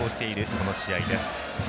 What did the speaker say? この試合です。